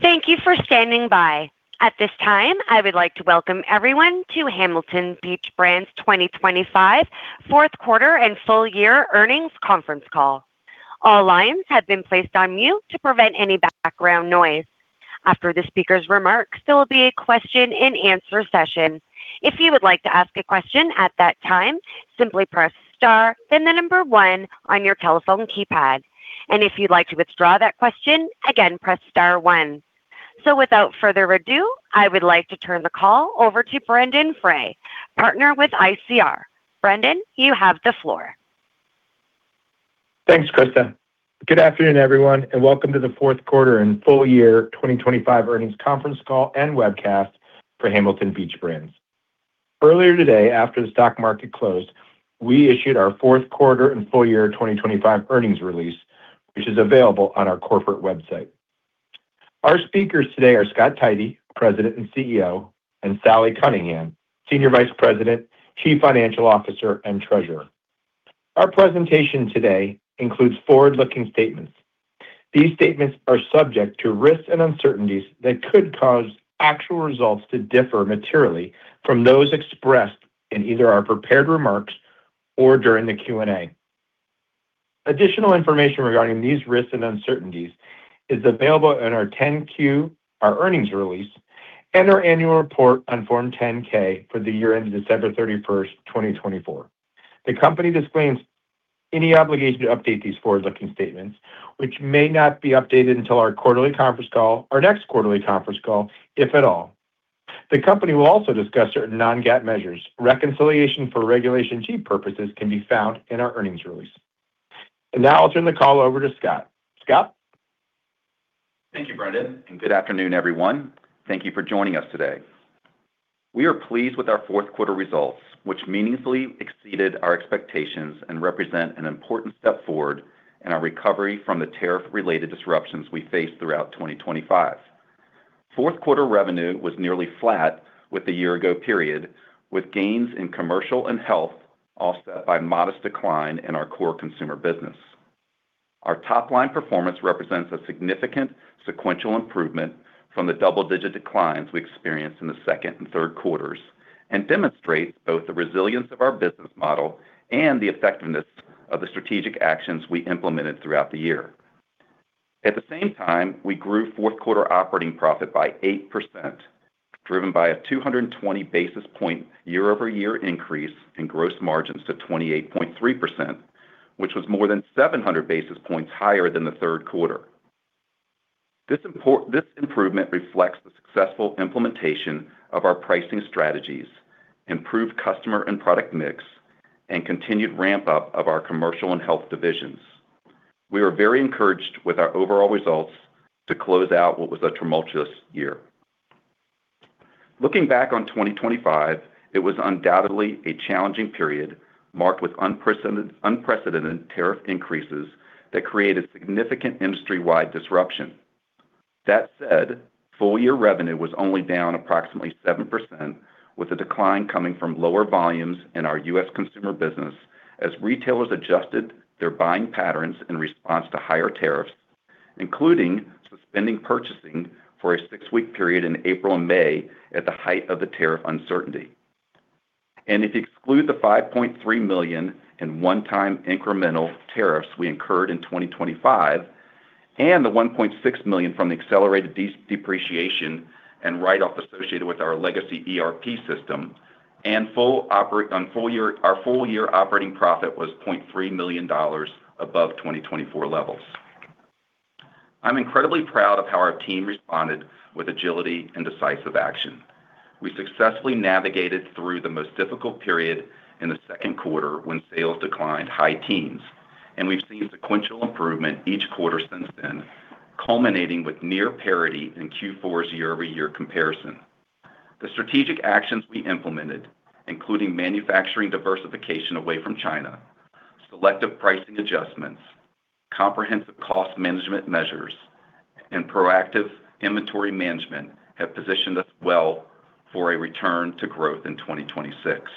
Thank you for standing by. At this time, I would like to welcome everyone to Hamilton Beach Brands' 2025 fourth quarter and full year earnings conference call. All lines have been placed on mute to prevent any background noise. After the speaker's remarks, there will be a question-and-answer session. If you would like to ask a question at that time, simply press star, then one on your telephone keypad. If you'd like to withdraw that question, again, press star one. Without further ado, I would like to turn the call over to Brendon Frey, partner with ICR. Brendan, you have the floor. Thanks, Krista. Good afternoon, everyone, and welcome to the fourth quarter and full year 2025 earnings conference call and webcast for Hamilton Beach Brands. Earlier today, after the stock market closed, we issued our fourth quarter and full year 2025 earnings release, which is available on our corporate website. Our speakers today are Scott Tidey, President and CEO, and Sally Cunningham, Senior Vice President, Chief Financial Officer, and Treasurer. Our presentation today includes forward-looking statements. These statements are subject to risks and uncertainties that could cause actual results to differ materially from those expressed in either our prepared remarks or during the Q&A. Additional information regarding these risks and uncertainties is available in our 10-Q, our earnings release, and our annual report on Form 10-K for the year ended December 31st, 2024. The company disclaims any obligation to update these forward-looking statements, which may not be updated until our next quarterly conference call, if at all. The company will also discuss certain non-GAAP measures. Reconciliation for Regulation G purposes can be found in our earnings release. Now I'll turn the call over to Scott. Scott? Thank you, Brendon. Good afternoon, everyone. Thank you for joining us today. We are pleased with our fourth quarter results, which meaningfully exceeded our expectations and represent an important step forward in our recovery from the tariff-related disruptions we faced throughout 2025. Fourth quarter revenue was nearly flat with the year-ago period, with gains in Commercial and Health offset by modest decline in our core consumer business. Our top-line performance represents a significant sequential improvement from the double-digit declines we experienced in the second and third quarters, and demonstrates both the resilience of our business model and the effectiveness of the strategic actions we implemented throughout the year. At the same time, we grew fourth quarter operating profit by 8%, driven by a 220 basis point year-over-year increase in gross margins to 28.3%, which was more than 700 basis points higher than the third quarter. This improvement reflects the successful implementation of our pricing strategies, improved customer and product mix, and continued ramp-up of our Commercial and Health divisions. We are very encouraged with our overall results to close out what was a tumultuous year. Looking back on 2025, it was undoubtedly a challenging period marked with unprecedented tariff increases that created significant industry-wide disruption. That said, full-year revenue was only down approximately 7%, with a decline coming from lower volumes in our U.S. consumer business as retailers adjusted their buying patterns in response to higher tariffs, including suspending purchasing for a six-week period in April and May at the height of the tariff uncertainty. If you exclude the $5.3 million in one-time incremental tariffs we incurred in 2025, and the $1.6 million from the accelerated depreciation and write-off associated with our legacy ERP system, our full-year operating profit was $0.3 million above 2024 levels. I'm incredibly proud of how our team responded with agility and decisive action. We successfully navigated through the most difficult period in the second quarter when sales declined high teens, and we've seen sequential improvement each quarter since then, culminating with near parity in Q4's year-over-year comparison. The strategic actions we implemented, including manufacturing diversification away from China, selective pricing adjustments, comprehensive cost management measures, and proactive inventory management, have positioned us well for a return to growth in 2026.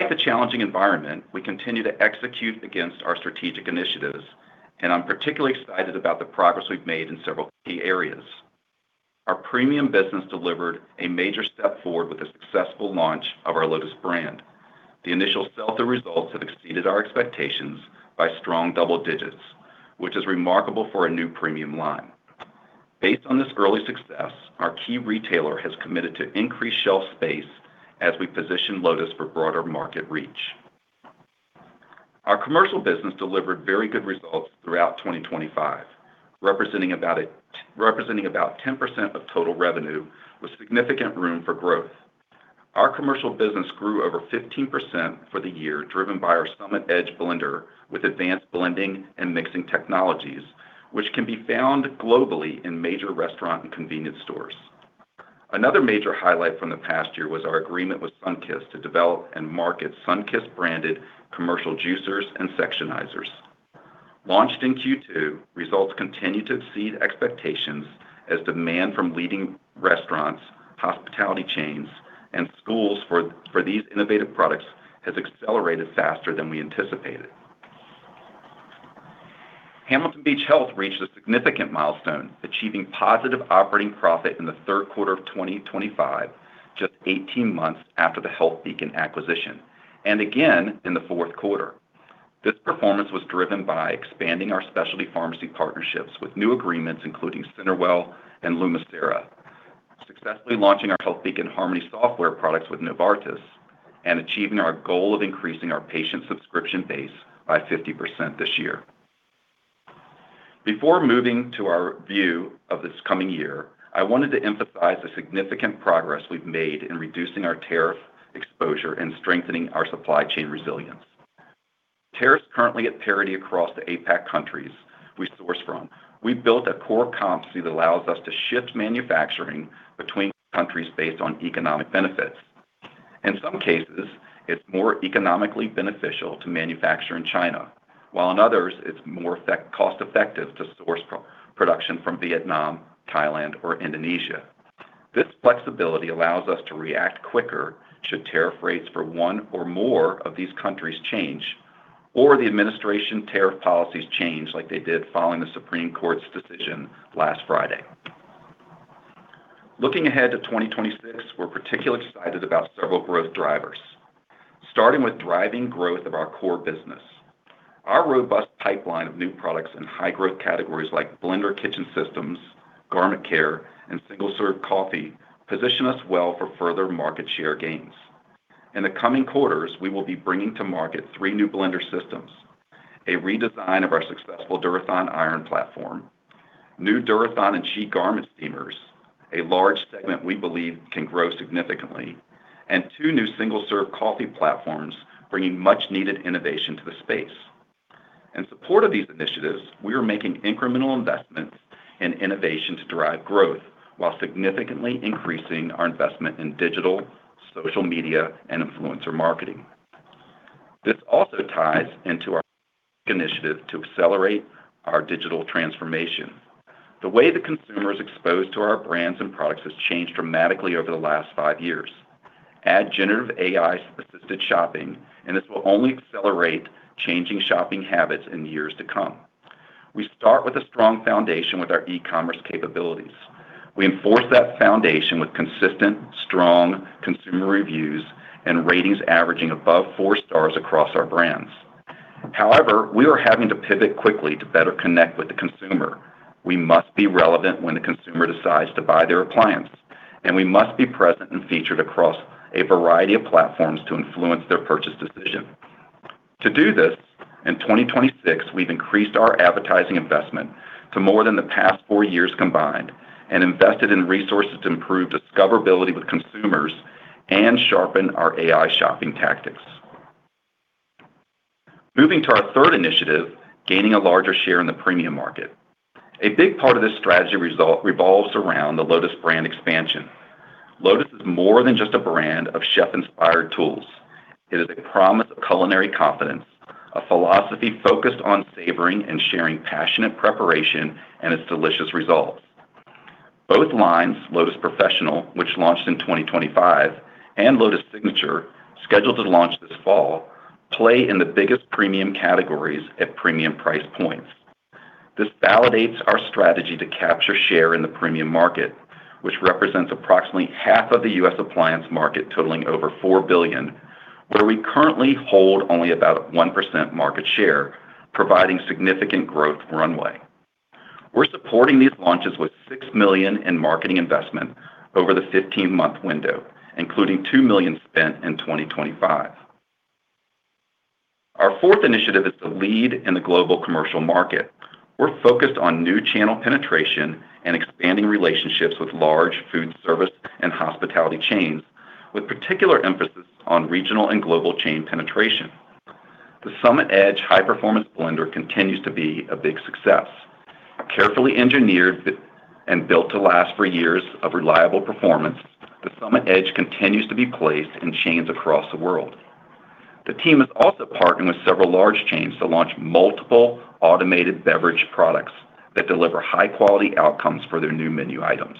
In the challenging environment, we continue to execute against our strategic initiatives, and I'm particularly excited about the progress we've made in several key areas. Our premium business delivered a major step forward with the successful launch of our Lotus brand. The initial sales results have exceeded our expectations by strong double digits, which is remarkable for a new premium line. Based on this early success, our key retailer has committed to increase shelf space as we position Lotus for broader market reach. Our Commercial business delivered very good results throughout 2025, representing about 10% of total revenue, with significant room for growth. Our Commercial business grew over 15% for the year, driven by our Summit Edge blender, with advanced blending and mixing technologies, which can be found globally in major restaurant and convenience stores. Another major highlight from the past year was our agreement with Sunkist to develop and market Sunkist-branded commercial juicers and sectionizers. Launched in Q2, results continued to exceed expectations as demand from leading restaurants, hospitality chains, and schools for these innovative products has accelerated faster than we anticipated. Hamilton Beach Health reached a significant milestone, achieving positive operating profit in the third quarter of 2025, just 18 months after the HealthBeacon acquisition, and again, in the fourth quarter. This performance was driven by expanding our specialty pharmacy partnerships with new agreements, including Synerwell and Lumicera, successfully launching our HealthBeacon Harmony software products with Novartis, and achieving our goal of increasing our patient subscription base by 50% this year. Before moving to our view of this coming year, I wanted to emphasize the significant progress we've made in reducing our tariff exposure and strengthening our supply chain resilience. Tariffs currently at parity across the APAC countries we source from. We've built a core competency that allows us to shift manufacturing between countries based on economic benefits. In some cases, it's more economically beneficial to manufacture in China, while in others, it's more cost-effective to source production from Vietnam, Thailand, or Indonesia. This flexibility allows us to react quicker should tariff rates for one or more of these countries change, or the administration tariff policies change like they did following the Supreme Court's decision last Friday. Looking ahead to 2026, we're particularly excited about several growth drivers, starting with driving growth of our core business. Our robust pipeline of new products in high-growth categories like blender kitchen systems, garment care, and single-serve coffee, position us well for further market share gains. In the coming quarters, we will be bringing to market three new blender systems: a redesign of our successful Durathon iron platform, new Durathon and CHI garment steamers, a large segment we believe can grow significantly, and two new single-serve coffee platforms, bringing much-needed innovation to the space. In support of these initiatives, we are making incremental investments in innovation to derive growth, while significantly increasing our investment in digital, social media, and influencer marketing. This also ties into our initiative to accelerate our digital transformation. The way the consumer is exposed to our brands and products has changed dramatically over the last five years. Add generative AI-assisted shopping, this will only accelerate changing shopping habits in the years to come. We start with a strong foundation with our e-commerce capabilities. We enforce that foundation with consistent, strong consumer reviews, and ratings averaging above four stars across our brands. We are having to pivot quickly to better connect with the consumer. We must be relevant when the consumer decides to buy their appliance, and we must be present and featured across a variety of platforms to influence their purchase decision. To do this, in 2026, we've increased our advertising investment to more than the past four years combined, and invested in resources to improve discoverability with consumers and sharpen our AI shopping tactics. Moving to our third initiative, gaining a larger share in the premium market. A big part of this strategy revolves around the Lotus brand expansion. Lotus is more than just a brand of chef-inspired tools. It is a promise of culinary confidence, a philosophy focused on savoring and sharing passionate preparation and its delicious results. Both lines, Lotus Professional, which launched in 2025, and Lotus Signature, scheduled to launch this fall, play in the biggest premium categories at premium price points. This validates our strategy to capture share in the premium market, which represents approximately 1/2 of the U.S. appliance market, totaling over $4 billion, where we currently hold only about 1% market share, providing significant growth runway. We're supporting these launches with $6 million in marketing investment over the 15-month window, including $2 million spent in 2025. Our fourth initiative is the lead in the global commercial market. We're focused on new channel penetration and expanding relationships with large food service and hospitality chains, with particular emphasis on regional and global chain penetration. The Summit Edge high-performance blender continues to be a big success. Carefully engineered and built to last for years of reliable performance, the Summit Edge continues to be placed in chains across the world. The team has also partnered with several large chains to launch multiple automated beverage products that deliver high-quality outcomes for their new menu items.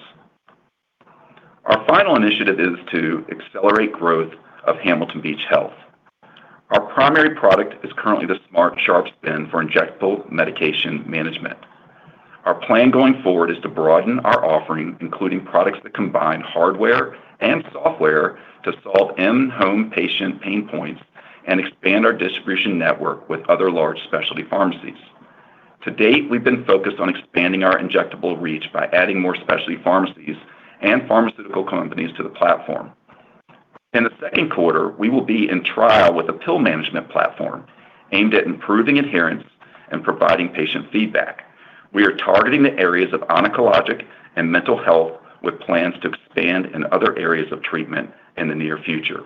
Our final initiative is to accelerate growth of Hamilton Beach Health. Our primary product is currently the Smart Sharps Bin for injectable medication management. Our plan going forward is to broaden our offering, including products that combine hardware and software, to solve in-home patient pain points and expand our distribution network with other large specialty pharmacies. To date, we've been focused on expanding our injectable reach by adding more specialty pharmacies and pharmaceutical companies to the platform. In the second quarter, we will be in trial with a pill management platform aimed at improving adherence and providing patient feedback. We are targeting the areas of oncologic and mental health, with plans to expand in other areas of treatment in the near future.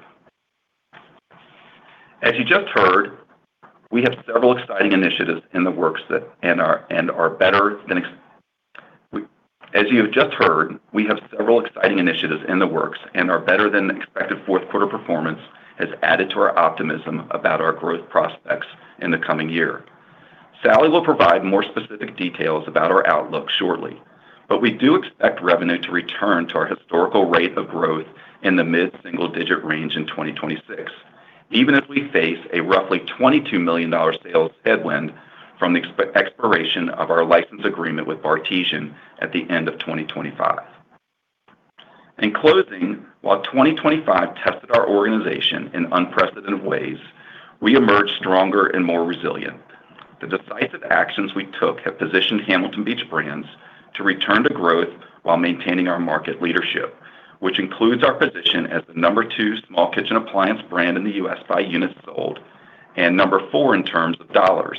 As you have just heard, we have several exciting initiatives in the works and our better-than-expected fourth quarter performance has added to our optimism about our growth prospects in the coming year. Sally will provide more specific details about our outlook shortly, but we do expect revenue to return to our historical rate of growth in the mid-single digit range in 2026, even if we face a roughly $22 million sales headwind from the expiration of our license agreement with Bartesian at the end of 2025. In closing, while 2025 tested our organization in unprecedented ways, we emerged stronger and more resilient. The decisive actions we took have positioned Hamilton Beach Brands to return to growth while maintaining our market leadership, which includes our position as the number two small kitchen appliance brand in the U.S. by units sold, and number four in terms of dollars,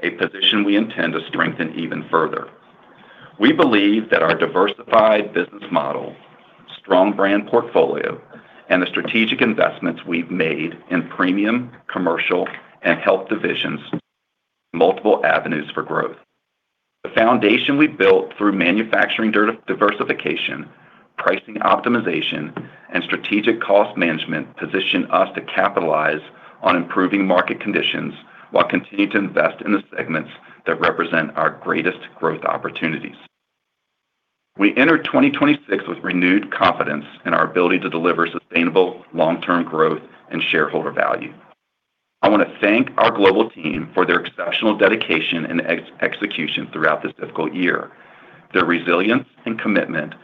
a position we intend to strengthen even further. We believe that our diversified business model, strong brand portfolio, and the strategic investments we've made in Premium, Commercial, and Health divisions, multiple avenues for growth. The foundation we built through manufacturing diversification, pricing optimization, and strategic cost management, position us to capitalize on improving market conditions while continuing to invest in the segments that represent our greatest growth opportunities. We enter 2026 with renewed confidence in our ability to deliver sustainable long-term growth and shareholder value. I want to thank our global team for their exceptional dedication and execution throughout this difficult year. Their resilience and commitment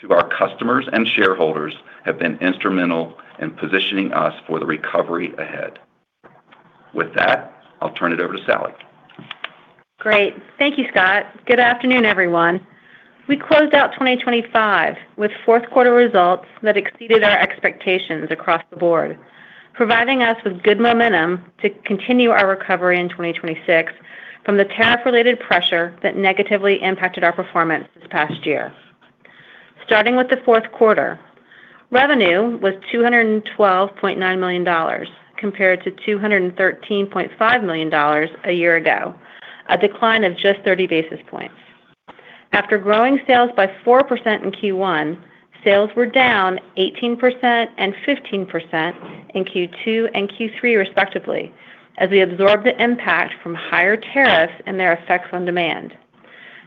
to our customers and shareholders have been instrumental in positioning us for the recovery ahead. With that, I'll turn it over to Sally. Great. Thank you, Scott. Good afternoon, everyone. We closed out 2025 with fourth quarter results that exceeded our expectations across the board, providing us with good momentum to continue our recovery in 2026 from the tariff-related pressure that negatively impacted our performance this past year. Starting with the fourth quarter, revenue was $212.9 million, compared to $213.5 million a year ago, a decline of just 30 basis points. After growing sales by 4% in Q1, sales were down 18% and 15% in Q2 and Q3, respectively, as we absorbed the impact from higher tariffs and their effects on demand.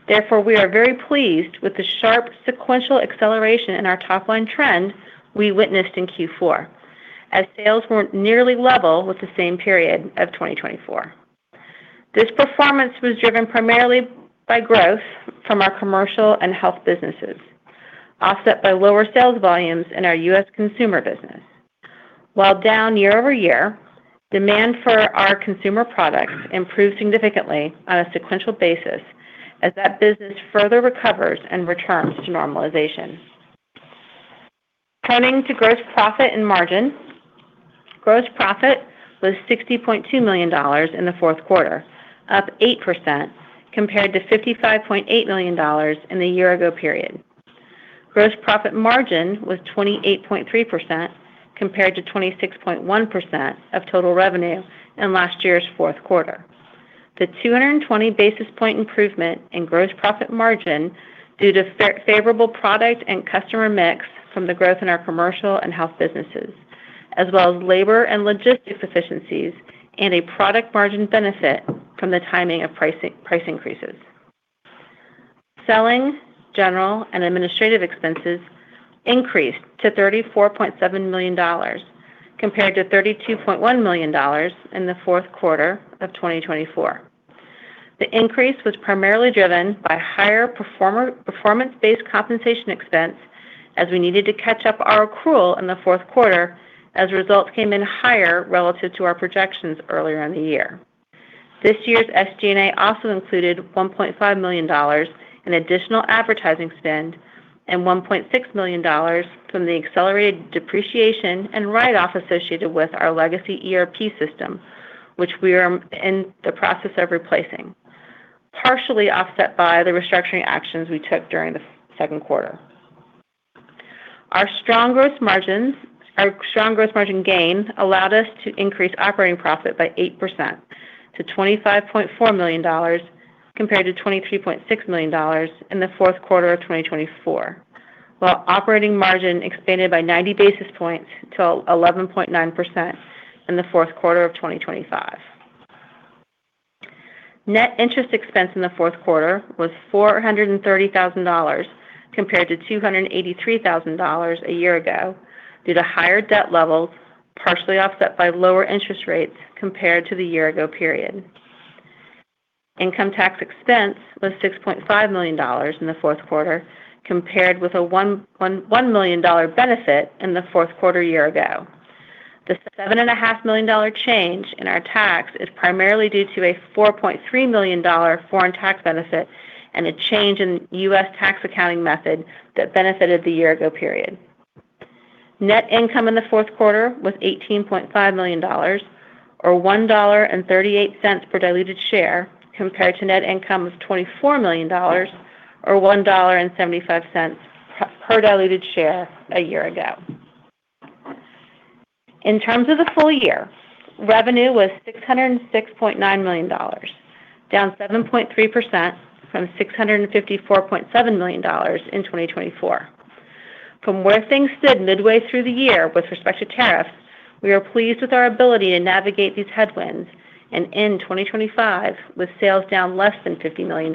Therefore, we are very pleased with the sharp sequential acceleration in our top-line trend we witnessed in Q4, as sales were nearly level with the same period of 2024. This performance was driven primarily by growth from our Commercial and Health businesses, offset by lower sales volumes in our U.S. consumer business. While down year-over-year, demand for our consumer products improved significantly on a sequential basis as that business further recovers and returns to normalization. Turning to gross profit and margin. Gross profit was $60.2 million in the fourth quarter, up 8% compared to $55.8 million in the year ago period. Gross profit margin was 28.3%, compared to 26.1% of total revenue in last year's fourth quarter. The 220 basis point improvement in gross profit margin due to favorable product and customer mix from the growth in our Commercial and Health businesses, as well as labor and logistics efficiencies, and a product margin benefit from the timing of price increases. Selling, general, and administrative expenses increased to $34.7 million, compared to $32.1 million in the fourth quarter of 2024. The increase was primarily driven by higher performance-based compensation expense, as we needed to catch up our accrual in the fourth quarter as results came in higher relative to our projections earlier in the year. This year's SG&A also included $1.5 million in additional advertising spend and $1.6 million from the accelerated depreciation and write-off associated with our legacy ERP system, which we are in the process of replacing, partially offset by the restructuring actions we took during the second quarter. Our strong growth margin gains allowed us to increase operating profit by 8% to $25.4 million, compared to $23.6 million in the fourth quarter of 2024, while operating margin expanded by 90 basis points to 11.9% in the fourth quarter of 2025. Net interest expense in the fourth quarter was $430,000, compared to $283,000 a year ago, due to higher debt levels, partially offset by lower interest rates compared to the year-ago period. Income tax expense was $6.5 million in the fourth quarter, compared with a $1.1 million benefit in the fourth quarter year ago. The $7.5 million change in our tax is primarily due to a $4.3 million foreign tax benefit and a change in U.S. tax accounting method that benefited the year-ago period. Net income in the fourth quarter was $18.5 million, or $1.38 per diluted share, compared to net income of $24 million or $1.75 per diluted share a year ago. In terms of the full year, revenue was $606.9 million, down 7.3% from $654.7 million in 2024. From where things stood midway through the year with respect to tariffs, we are pleased with our ability to navigate these headwinds and end 2025 with sales down less than $50 million.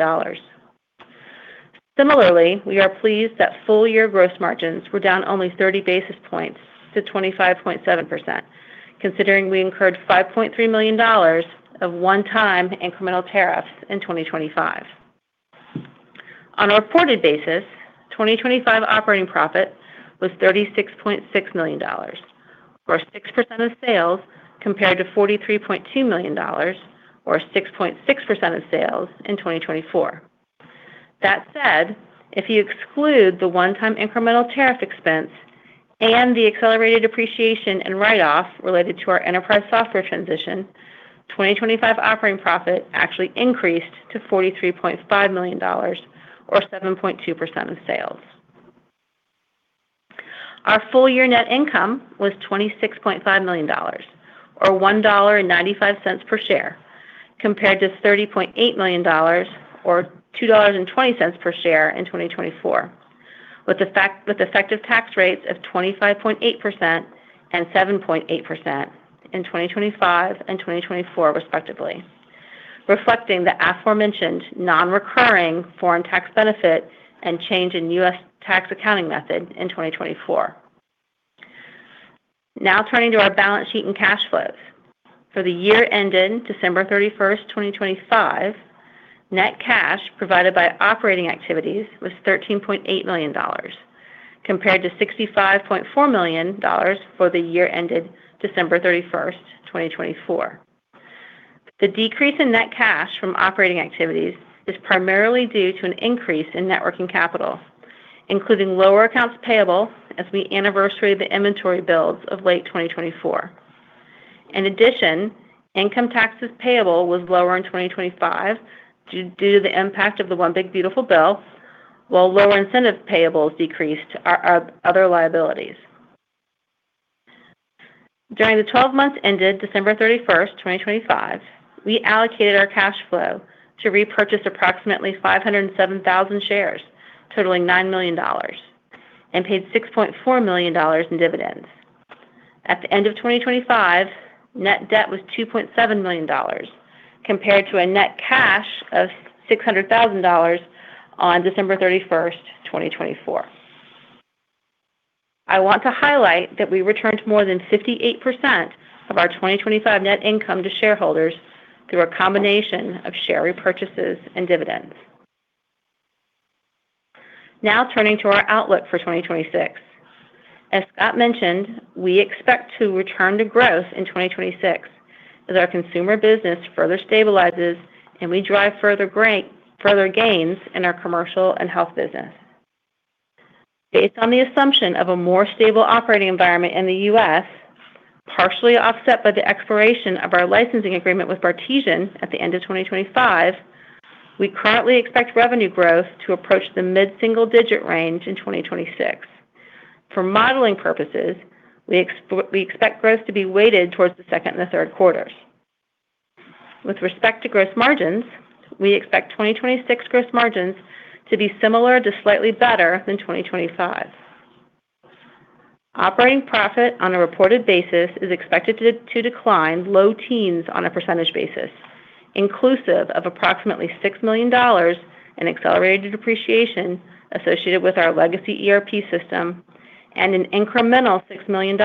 Similarly, we are pleased that full-year gross margins were down only 30 basis points to 25.7%, considering we incurred $5.3 million of one-time incremental tariffs in 2025. On a reported basis, 2025 operating profit was $36.6 million, or 6% of sales, compared to $43.2 million, or 6.6% of sales in 2024. That said, if you exclude the one-time incremental tariff expense and the accelerated depreciation and write-off related to our enterprise software transition, 2025 operating profit actually increased to $43.5 million or 7.2% of sales. Our full-year net income was $26.5 million, or $1.95 per share, compared to $30.8 million or $2.20 per share in 2024. With effective tax rates of 25.8% and 7.8% in 2025 and 2024, respectively, reflecting the aforementioned non-recurring foreign tax benefit and change in U.S. tax accounting method in 2024. Turning to our balance sheet and cash flows. For the year ended December 31st, 2025, net cash provided by operating activities was $13.8 million, compared to $65.4 million for the year ended December 31st, 2024. The decrease in net cash from operating activities is primarily due to an increase in net working capital, including lower accounts payable as we anniversary the inventory builds of late 2024. In addition, income taxes payable was lower in 2025 due to the impact of the One Big Beautiful Bill, while lower incentive payables decreased our other liabilities. During the 12 months ended December 31st, 2025, we allocated our cash flow to repurchase approximately 507,000 shares, totaling $9 million, and paid $6.4 million in dividends. At the end of 2025, net debt was $2.7 million, compared to a net cash of $600,000 on December 31st, 2024. I want to highlight that we returned more than 58% of our 2025 net income to shareholders through a combination of share repurchases and dividends. Turning to our outlook for 2026. As Scott mentioned, we expect to return to growth in 2026 as our consumer business further stabilizes and we drive further gains in our Commercial and Health business. Based on the assumption of a more stable operating environment in the U.S., partially offset by the expiration of our licensing agreement with Bartesian at the end of 2025, we currently expect revenue growth to approach the mid-single-digit range in 2026. For modeling purposes, we expect growth to be weighted towards the second and the third quarters. With respect to gross margins, we expect 2026 gross margins to be similar to slightly better than 2025. Operating profit on a reported basis is expected to decline low teens on a percentage basis, inclusive of approximately $6 million in accelerated depreciation associated with our legacy ERP system and an incremental $6 million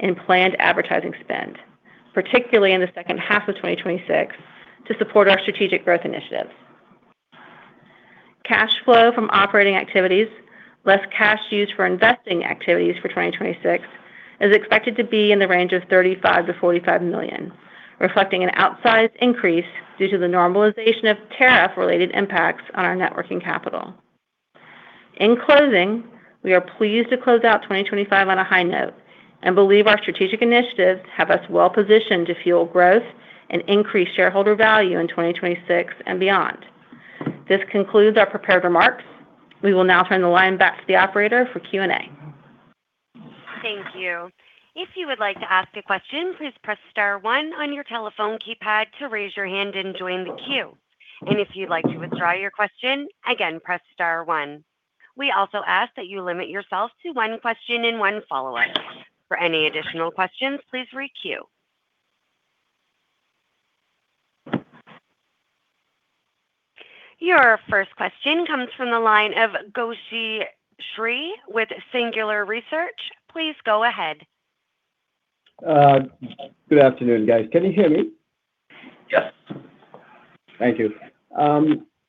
in planned advertising spend, particularly in the second half of 2026, to support our strategic growth initiatives. Cash flow from operating activities, less cash used for investing activities for 2026 is expected to be in the range of $35 million-$45 million, reflecting an outsized increase due to the normalization of tariff-related impacts on our net working capital. In closing, we are pleased to close out 2025 on a high note and believe our strategic initiatives have us well positioned to fuel growth and increase shareholder value in 2026 and beyond. This concludes our prepared remarks. We will now turn the line back to the operator for Q&A. Thank you. If you would like to ask a question, please press star one on your telephone keypad to raise your hand and join the queue. If you'd like to withdraw your question, again, press star one. We also ask that you limit yourself to one question and one follow-up. For any additional questions, please re-queue. Your first question comes from the line of Gowshi Sri with Singular Research. Please go ahead. Good afternoon, guys. Can you hear me? Yes. Thank you.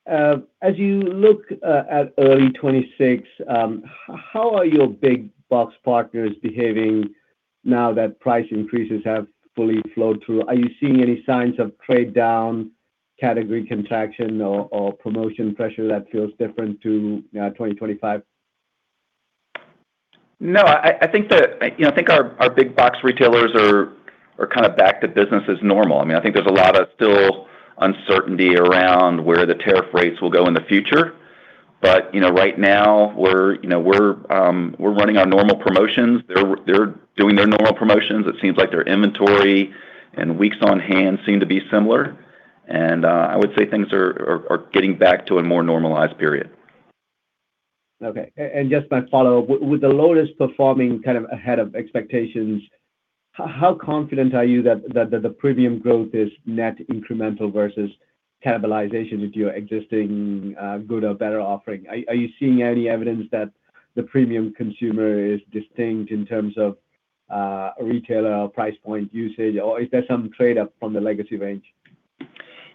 As you look at early 2026, how are your big box partners behaving now that price increases have fully flowed through? Are you seeing any signs of trade down, category contraction, or promotion pressure that feels different to 2025? No, I think that, you know, I think our big box retailers are kind of back to business as normal. I mean, I think there's a lot of still uncertainty around where the tariff rates will go in the future. You know, right now, we're, you know, we're running our normal promotions. They're doing their normal promotions. It seems like their inventory and weeks on hand seem to be similar.... I would say things are getting back to a more normalized period. Okay. Just my follow-up. With the Lotus performing kind of ahead of expectations, how confident are you that the premium growth is net incremental versus cannibalization with your existing good or better offering? Are you seeing any evidence that the premium consumer is distinct in terms of retailer or price point usage, or is there some trade-up from the legacy range?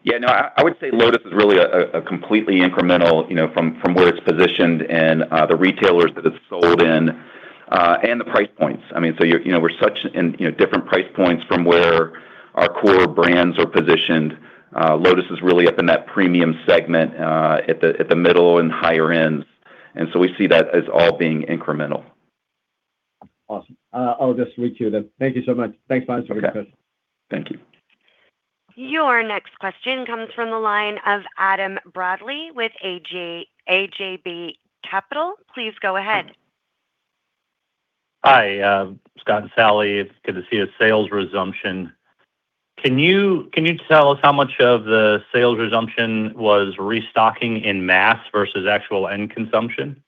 Yeah, no, I would say Lotus is really a completely incremental, you know, from where it's positioned and the retailers that it's sold in and the price points. I mean, so you know, we're such in, you know, different price points from where our core brands are positioned. Lotus is really up in that premium segment at the middle and higher ends, and so we see that as all being incremental. Awesome. I'll just leave it to you then. Thank you so much. Thanks for answering the question. Okay. Thank you. Your next question comes from the line of Adam Bradley with AJB Capital. Please go ahead. Hi, Scott and Sally. It's good to see a sales resumption. Can you tell us how much of the sales resumption was restocking in mass versus actual end consumption?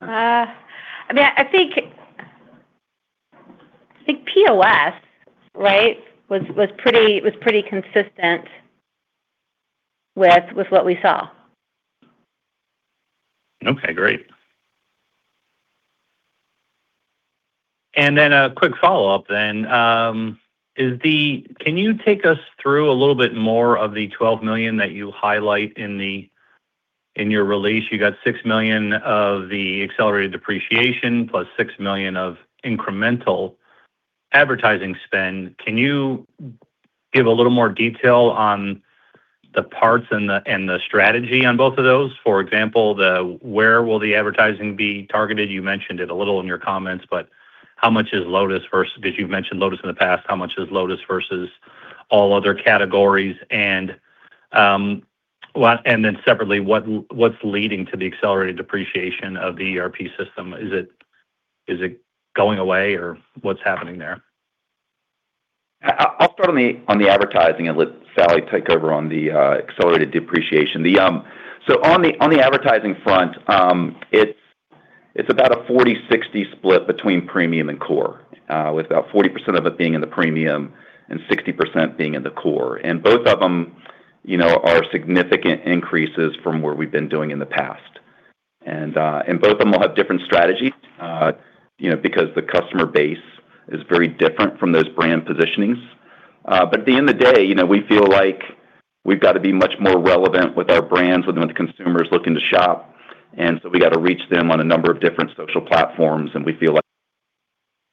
I mean, I think POS, right, was pretty consistent with what we saw. Okay, great. A quick follow-up then. Can you take us through a little bit more of the $12 million that you highlight in your release? You got $6 million of the accelerated depreciation, plus $6 million of incremental advertising spend. Can you give a little more detail on the parts and the strategy on both of those? For example, where will the advertising be targeted? You mentioned it a little in your comments, but how much is Lotus versus- because you've mentioned Lotus in the past, how much is Lotus versus all other categories? Separately, what's leading to the accelerated depreciation of the ERP system? Is it going away, or what's happening there? I'll start on the advertising and let Sally take over on the accelerated depreciation. On the advertising front, it's about a 40/60 split between premium and core, with about 40% of it being in the premium and 60% being in the core. Both of them, you know, are significant increases from what we've been doing in the past. Both of them will have different strategies, you know, because the customer base is very different from those brand positionings. At the end of the day, you know, we feel like we've got to be much more relevant with our brands, with the consumers looking to shop, and so we got to reach them on a number of different social platforms, and we feel like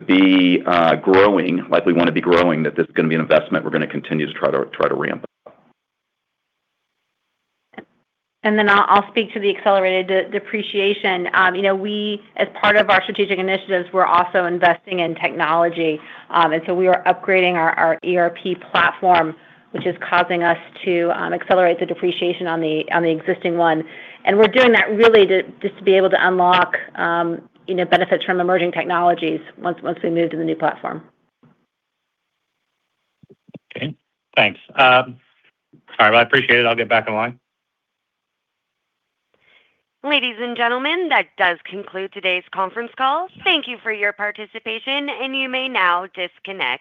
the growing, like we wanna be growing, that this is gonna be an investment we're gonna continue to try to ramp up. I'll speak to the accelerated depreciation. You know, we, as part of our strategic initiatives, we're also investing in technology. We are upgrading our ERP platform, which is causing us to accelerate the depreciation on the existing one. We're doing that really to just to be able to unlock, you know, benefit from emerging technologies once we move to the new platform. Okay. Thanks. All right, well, I appreciate it. I'll get back in line. Ladies and gentlemen, that does conclude today's conference call. Thank you for your participation. You may now disconnect.